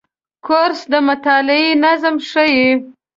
کورس د مطالعې نظم ښيي.